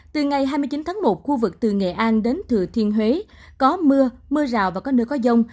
từ ngày hai mươi chín tháng một khu vực từ nghệ an đến thừa thiên huế có mưa mưa rào và có nơi có rông